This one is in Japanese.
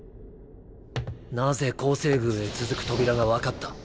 なぜ薨星宮へ続く扉が分かった？